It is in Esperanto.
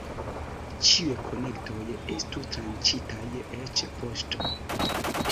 Ĉiuj konektoj estu tranĉitaj, eĉ poŝto.